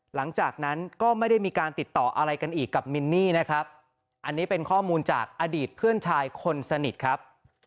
หลังจากนั้นก็ไม่ได้มีการติดต่ออะไรกันอีกกับมินนี่นะครับอันนี้เป็นข้อมูลจากอดีตเพื่อนชายคนสนิทครับ